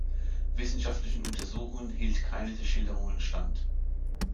Wissenschaftlichen Untersuchungen hielt keine der Schilderungen stand.